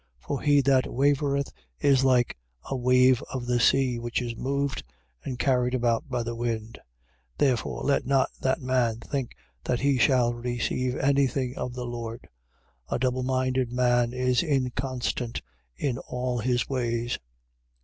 For he that wavereth is like a wave of the sea, which is moved and carried about by the wind. 1:7. Therefore let not that man think that he shall receive any thing of the Lord. 1:8. A double minded man is inconstant in all his ways.